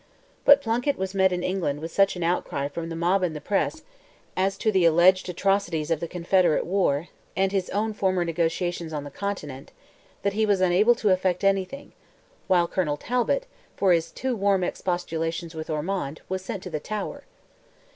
But Plunkett was met in England with such an outcry from the mob and the press as to the alleged atrocities of the Confederate war, and his own former negotiations on the continent, that he was unable to effect anything; while Colonel Talbot, for his too warm expostulations with Ormond, was sent to the Tower.